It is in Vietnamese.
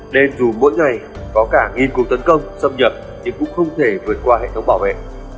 nên dù mỗi ngày có cả nghiên cứu tấn công xâm nhập thì cũng không thể vượt qua hệ thống bảo vệ